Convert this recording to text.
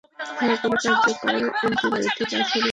হ্যাঁ কোনো কার্যকর এন্টিবায়োটিক আছে নাকি?